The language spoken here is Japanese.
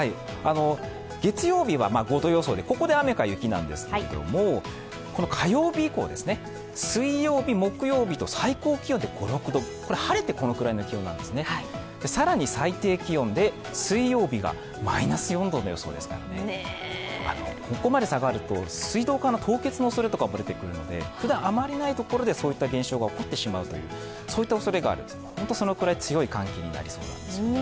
月曜日は５度予想でここで雨か雪なんですけれども、火曜日以降、水曜日木曜日と最高気温は５度くらい、晴れてこのくらいの気温なんですね、更に最低気温で水曜日がマイナス４度の予想ですからここまで下がると水道管の凍結のおそれが出てくるのでふだんあまりない所でそういった現象が起こってしまうおそれがあるのでそのくらい強い寒気になりそうなんですね。